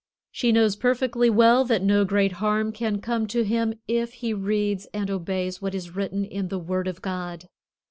She knows perfectly well that no great harm can come to him, if he reads and obeys what is written in the Word of God.